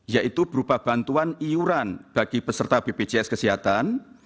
yaitu berupa bantuan iuran bagi peserta bpjs kesehatan